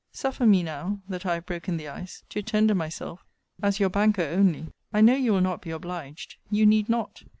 Suffer me now, that I have broken the ice, to tender myself as your banker only. I know you will not be obliged: you need not.